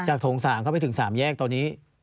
จากโถงสามเข้าไปถึงสามแยกตอนนี้